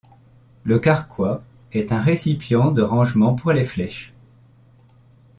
Le carquois est un récipient de rangement pour les flèches.